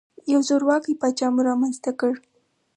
یو زورواکۍ پاچا مو رامنځته کړ.